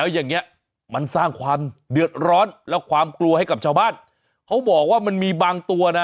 อย่างเงี้ยมันสร้างความเดือดร้อนและความกลัวให้กับชาวบ้านเขาบอกว่ามันมีบางตัวนะ